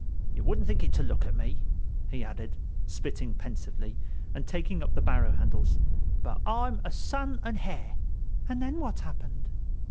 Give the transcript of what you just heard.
You wouldn't think it to look at me," he added, spitting pensively and taking up the barrow handles, "but I'm a son and hare." "And then what happened?"